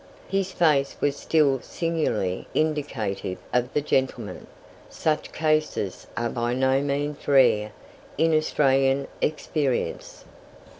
His face was still singularly indicative of the gentleman. Such cases are by no means rare in Australian experience.